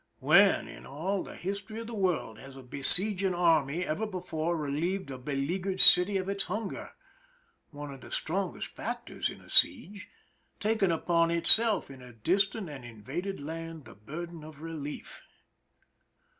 When, in all the history of the world, has a besieging army ever before relieved a beleaguered city of its hunger,— one of the strongest factors in a siege,— taking upon itself in a distant and invaded land the burden of relief